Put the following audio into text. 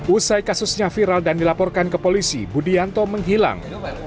usai kasusnya viral dan dilaporkan ke polisi budianto menghilang